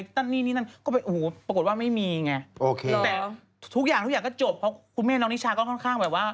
แต่ทุกอย่างก็จบเพราะคุณแม่น้องนิชาก็คุณแม่น้องนิชาก็ค่อนข้างแบบว่า